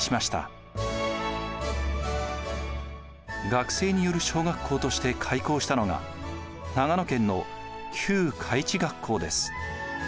学制による小学校として開校したのが長野県の旧開智学校です。